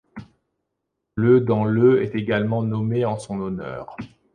Le dans le est également nommé en son honneur.